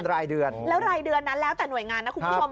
แล้วไรเดือนแล้วแต่หน่วยงานคุณผู้ชม